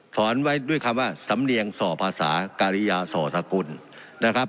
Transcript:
สอนไว้ด้วยคำว่าสำเนียงส่อภาษาการิยาสอสกุลนะครับ